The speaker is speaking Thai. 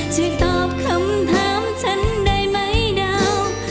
ช่วยตอบคำถามฉันได้ไหมดาว